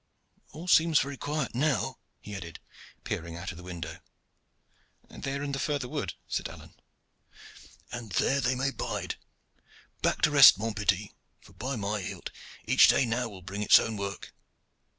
All seems very quiet now," he added, peering out of the window. "They are in the further wood," said Alleyne. "And there they may bide. Back to rest, mon petit; for, by my hilt! each day now will bring its own work.